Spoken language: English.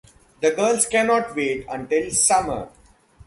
The girls cannot wait until Summer.